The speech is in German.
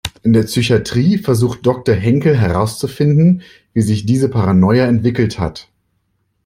In der Psychatrie versucht Doktor Henkel herauszufinden, wie sich diese Paranoia entwickelt hat.